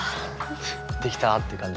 できたってかんじ？